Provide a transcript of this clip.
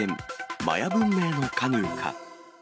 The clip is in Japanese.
マヤ文明のカヌーか。